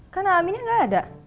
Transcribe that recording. kan aaminnya gak ada